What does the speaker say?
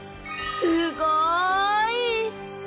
すごい！